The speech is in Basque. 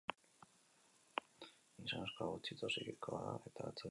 Gizonezkoa gutxitu psikikoa da eta atzo desagertu zen.